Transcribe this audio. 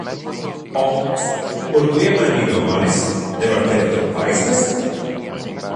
Kompass, kuru tu iemainīji no manis, nevar tevi turp aizvest?